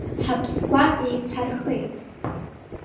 Ҳаԥсқәа еиқәҳархеит.